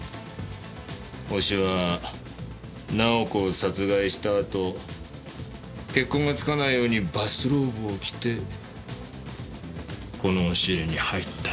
ホシは直子を殺害したあと血痕がつかないようにバスローブを着てこの押し入れに入った。